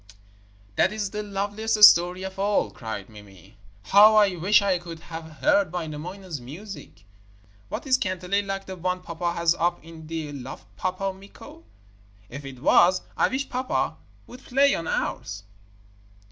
'That is the loveliest story of all,' cried Mimi. 'How I wish I could have heard Wainamoinen's music! Was his kantele like the one pappa has up in the loft, Pappa Mikko? If it was, I wish pappa would play on ours.'